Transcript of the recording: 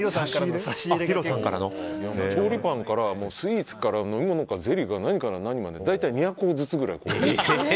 調理パンからスイーツから飲み物からゼリーから何から何まで大体２００個ずつぐらい。